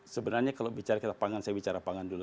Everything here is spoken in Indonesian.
sebenarnya kalau bicara kita pangan saya bicara pangan dulu